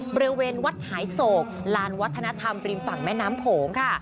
บริเวณวัดหายโศกลานวัฒนธรรมริมฝั่งแม่น้ำโขงค่ะ